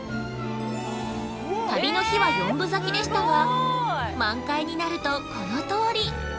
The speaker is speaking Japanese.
旅の日は４分咲きでしたが満開になると、このとおり！